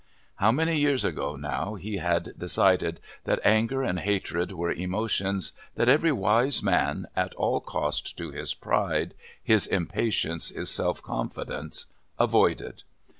How many years ago now he had decided that anger and hatred were emotions that every wise man, at all cost to his pride, his impatience, his self confidence, avoided.